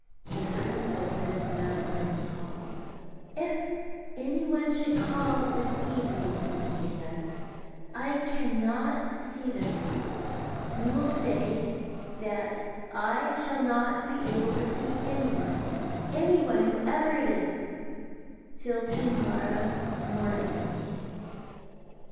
The servant told her that no one had called. 'If anyone should call this evening,' she said, 'I cannot see them. You will say that I shall not be able to see anyone anyone, whoever it is till to morrow morning.'...